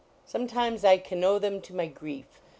Some times I cano them to my grief.